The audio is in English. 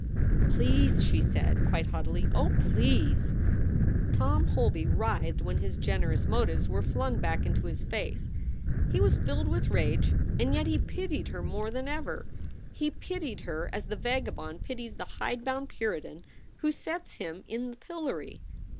"Please!" she said, quite haughtily. "Oh, please!" Tom Holby writhed when his generous motives were flung back into his face. He was filled with rage, and yet he pitied her more than ever. He pitied her as the vagabond pities the hidebound Puritan who sets him in the pillory.